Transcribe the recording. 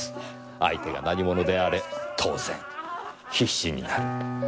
相手が何者であれ当然必死になる。